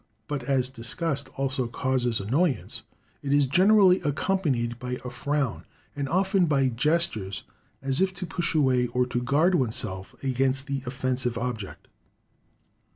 But as disgust also causes annoyance, it is generally accompanied by a frown, and often by gestures as if to push away or to guard oneself against the offensive object.